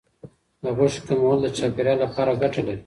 د غوښې کمول د چاپیریال لپاره ګټه لري.